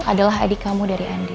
adalah adik kamu dari andi